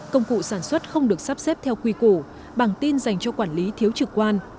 công cụ sản xuất không được sắp xếp theo quy củ bằng tin dành cho quản lý thiếu trực quan